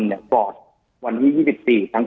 จนถึงปัจจุบันมีการมารายงานตัว